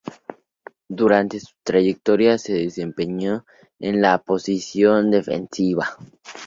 Durante su trayectoria se desempeñó en la posición defensiva.